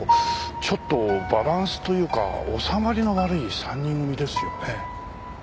ちょっとバランスというか収まりの悪い３人組ですよね。